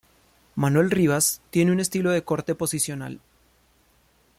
Manuel Rivas tiene un estilo de corte posicional.